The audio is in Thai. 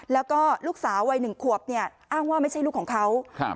แล้วก็ลูกสาววัยหนึ่งขวบเนี่ยอ้างว่าไม่ใช่ลูกของเขาครับ